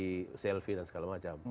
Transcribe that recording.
ada diplomasi selvi dan segala macam